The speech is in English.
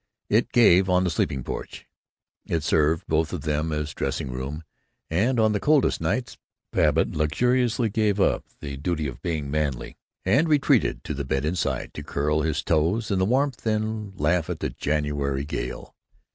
It gave on the sleeping porch. It served both of them as dressing room, and on the coldest nights Babbitt luxuriously gave up the duty of being manly and retreated to the bed inside, to curl his toes in the warmth and laugh at the January gale.